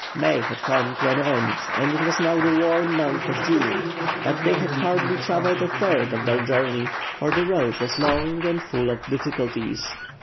May had come to an end and it was now the warm month of June; but they had hardly travelled a third of their journey for the road was long and full of difficulties.